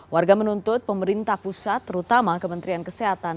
warga menuntut pemerintah pusat terutama kementerian kesehatan